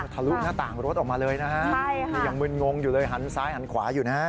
ทะลุหน้าต่างรถออกมาเลยนะฮะใช่ค่ะนี่ยังมึนงงอยู่เลยหันซ้ายหันขวาอยู่นะฮะ